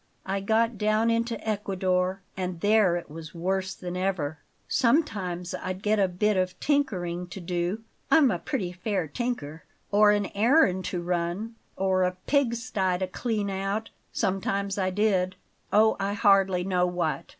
I got down into Ecuador, and there it was worse than ever. Sometimes I'd get a bit of tinkering to do, I'm a pretty fair tinker, or an errand to run, or a pigstye to clean out; sometimes I did oh, I hardly know what.